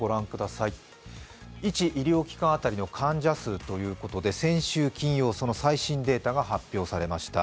１医療機関あたりの患者数ということで先週金曜、その最新データが発表されました。